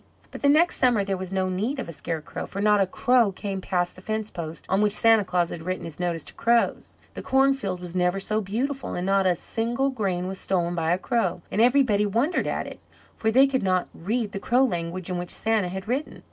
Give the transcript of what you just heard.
But the next summer there was no need of a scarecrow, for not a crow came past the fence post on which Santa Claus had written his notice to crows. The cornfield was never so beautiful, and not a single grain was stolen by a crow, and everybody wondered at it, for they could not read the crow language in which Santa had written.